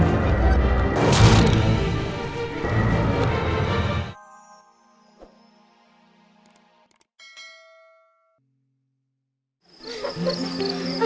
diki gak ada